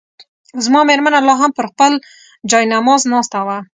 زما مېرمنه لا هم پر خپل جاینماز ناسته وه.